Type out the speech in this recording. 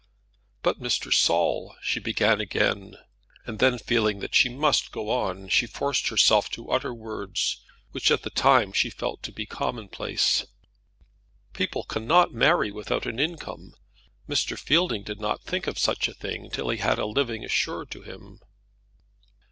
"But, Mr. Saul " she began again, and then, feeling that she must go on, she forced herself to utter words which at the time she felt to be commonplace. "People cannot marry without an income. Mr. Fielding did not think of such a thing till he had a living assured to him."